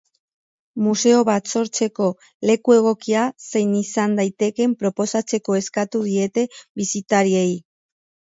Museo bat sortzeko leku egokia zein izan daiteken proposatzeko eskatu diete bisitariei.